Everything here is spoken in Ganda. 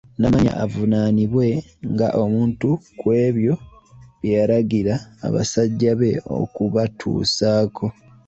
Namanya avunaanibwe nga omuntu kwebyo byeyalagira basajja be okubatuusaako.